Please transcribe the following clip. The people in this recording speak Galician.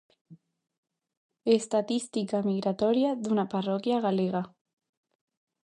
Estatística migratoria dunha parroquia galega.